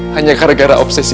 hanya karena obsesi